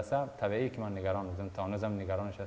saya masih khawatir dan kekurangan saya masih ada